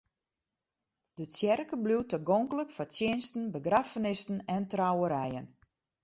De tsjerke bliuwt tagonklik foar tsjinsten, begraffenissen en trouwerijen.